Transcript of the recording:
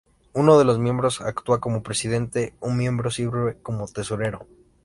Uno de los miembros actúa como presidente, un miembro sirve como tesorero.